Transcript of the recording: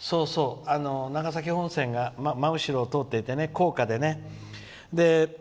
長崎本線が真後ろを通っていて高架でね。